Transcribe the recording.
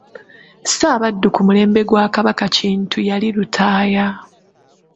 Ssaabaddu ku mulembe gwa Kabaka Kintu yali Lutaaya.